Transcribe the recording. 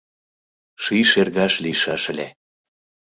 Ший шергаш лийшаш ыле.